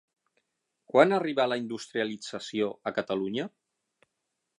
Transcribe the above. Quan arribà la industrialització a Catalunya?